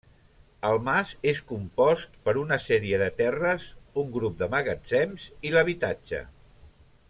El mas és compost per una sèrie de terres, un grup de magatzems i l'habitatge.